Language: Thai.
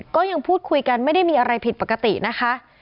ก็ยังพูดคุยกันไม่ได้มีอะไรผิดปกตินะคะ